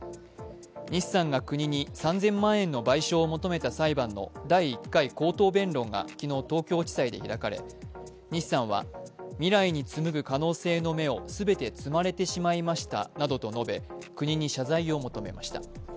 西さんが国に３０００万円の賠償を求めた裁判の第１回口頭弁論が昨日、東京地裁で開かれ西さんは、未来に紡ぐ可能性の芽を全て摘まれてしまいましたなどと述べ、国に謝罪を求めました。